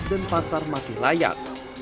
dan pasar masih layak